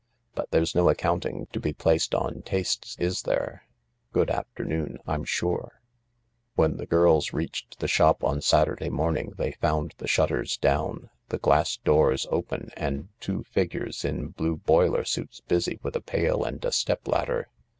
But there's no accounting to be placed on tastes, is there ? Good afternoon, I'm sure." When the girls reached the shop on Saturday morning they found the shutters down, the glass doors open, and two figures in blue boiler suits busy with a pail and a step ladder.